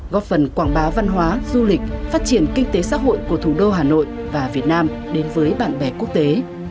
góp phần quảng bá văn hóa du lịch phát triển kinh tế xã hội của thủ đô hà nội và việt nam đến với bạn bè quốc tế